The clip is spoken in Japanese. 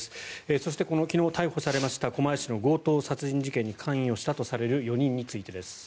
そして昨日逮捕されました狛江市の強盗殺人事件に関与したとされている４人についてです。